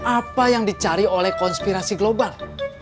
apa yang dicari oleh konspirasi global